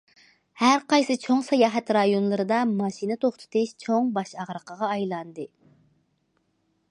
ھەر قايسى چوڭ ساياھەت رايونلىرىدا ماشىنا توختىتىش چوڭ باش ئاغرىقىغا ئايلاندى.